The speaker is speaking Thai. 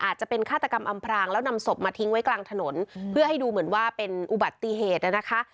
อาจจะเป็นฆาตกรรมอำพรางแล้วนำศพมาทิ้งไว้กลางถนนเพื่อให้ดูเหมือนว่าเป็นอุบัติเหตุนะคะ